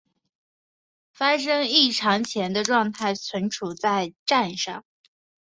发生异常前的状态存储在栈上。